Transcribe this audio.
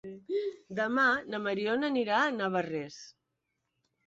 Demà na Mariona anirà a Navarrés.